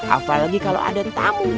apalagi kalau ada tamu